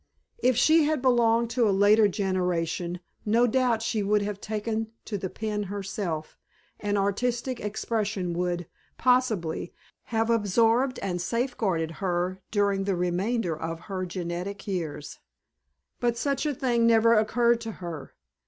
If she had belonged to a later generation no doubt she would have taken to the pen herself, and artistic expression would possibly have absorbed and safe guarded her during the remainder of her genetic years; but such a thing never occurred to her.